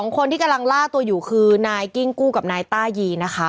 ๒คนที่กำลังลาถ่อยู่คือนายกิ้งกู้กับนายต้ายี